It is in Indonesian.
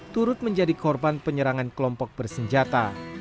turut menjadi korban penyerangan kelompok bersenjata